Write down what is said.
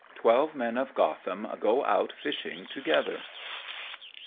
_Twelve Men of Gotham go out Fishing together.